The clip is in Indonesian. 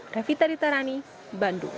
ravita ditarani bandung